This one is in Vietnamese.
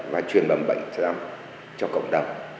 và truyền bầm bệnh cho cộng đồng